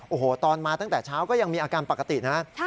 โอ้โหตอนมาตั้งแต่เช้าก็ยังมีอาการปกตินะ